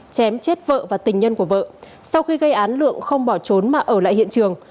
chém chết vợ và tình nhân của vợ sau khi gây án lượng không bỏ trốn mà ở lại hiện trường